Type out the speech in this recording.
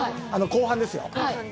後半ですよ。